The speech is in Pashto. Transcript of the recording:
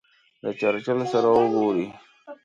د چرچل سره وګوري.